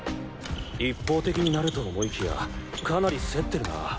一方的になると思いきやかなり競ってるな。